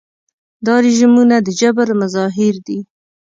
دا رژیمونه د جبر مظاهر دي.